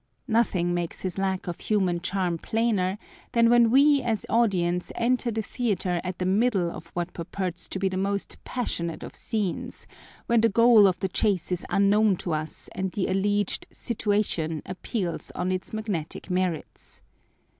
Nothing makes his lack of human charm plainer than when we as audience enter the theatre at the middle of what purports to be the most passionate of scenes when the goal of the chase is unknown to us and the alleged "situation" appeals on its magnetic merits.